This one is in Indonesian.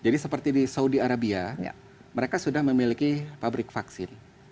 jadi seperti di saudi arabia mereka sudah memiliki pabrik vaksin